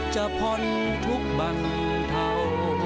จะพลทุกบันเทา